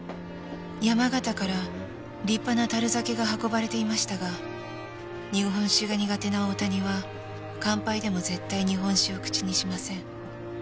山形から立派な樽酒が運ばれていましたが日本酒が苦手な大谷は乾杯でも絶対日本酒を口にしません。